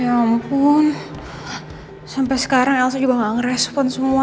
ya ampun sampai sekarang elsa juga gak ngerespon semua